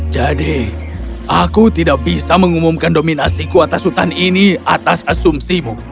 jadi aku tidak bisa mengumumkan dominasiku atas hutan ini atas asumsimu